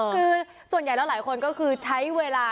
คือส่วนใหญ่แล้วหลายคนก็คือใช้เวลา